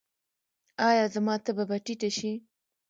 ایا زما تبه به ټیټه شي؟